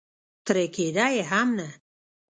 ترې کېده یې هم نه.